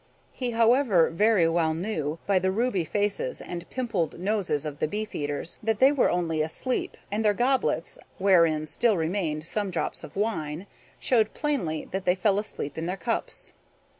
He, however, very well knew, by the ruby faces and pimpled noses of the beefeaters, that they were only asleep; and their goblets, wherein still remained some drops of wine, showed plainly that they fell asleep in their cups.